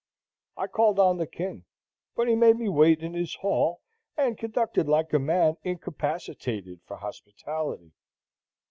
I called on the king, but he made me wait in his hall, and conducted like a man incapacitated for hospitality.